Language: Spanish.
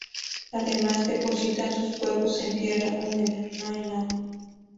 Además, depositan sus huevos en tierra húmeda, no en el agua.